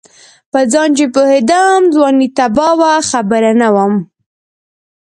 په ځان چې پوهېدم ځواني تباه وه خبر نه وم